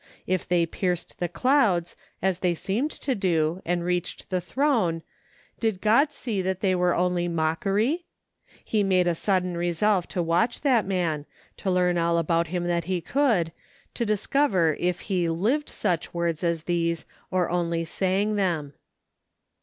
If they pierced the clouds, as they seemed to do, and reached the throne, did God see that they were only mockery ? He made a sudden resolve to watch that man, to learn all about him that he could ; to discover if he h'ved such words as these or only sang them.